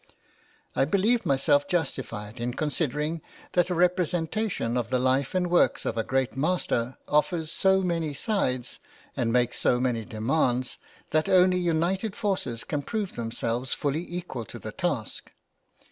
I believed myself justified in considering that a representation of the life and works of a great master offers so many sides, and makes so many demands, that only united forces can prove themselves fully equal to the task.